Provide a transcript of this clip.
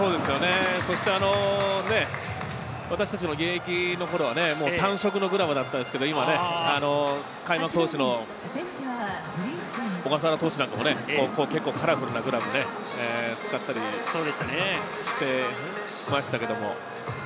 そして私たちも現役の頃は単色のグラブでしたが、開幕投手の小笠原投手なんかも結構カラフルなグラブを使っていたりしていました。